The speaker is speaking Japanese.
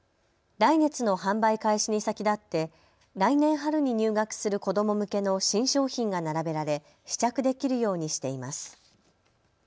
来月の販売開始に先立って来年春に入学する子ども向けの新商品が並べられ試着できるようにしています。